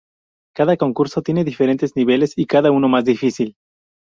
Cada concurso tiene diferentes niveles y cada uno más difícil.